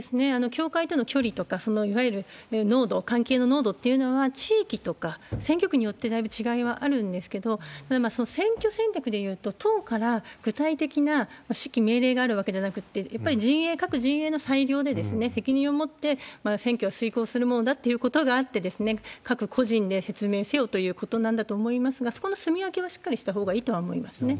教会との距離とか、いわゆる濃度、関係の濃度っていうのは、地域とか選挙区によってだいぶ違いはあるんですけど、選挙戦略でいうと、党から具体的な指揮命令があるわけじゃなくって、やっぱり陣営、各陣営の裁量で責任を持って、選挙を遂行するものだっていうことがあって、各個人で説明せよということなんだと思いますが、そこのすみ分けをしっかりしたほうがいいとは思いますね。